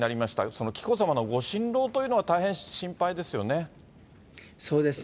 その紀子さまのご心労というのは大変心配ですよね。